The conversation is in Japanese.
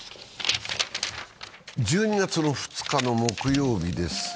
１２月２日木曜日です。